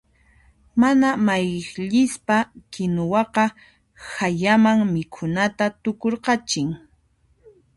Mana mayllisqa kinuwaqa hayaman mikhunata tukurqachin.